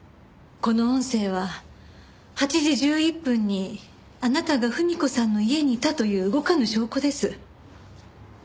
この音声は８時１１分にあなたが文子さんの家にいたという動かぬ証拠です。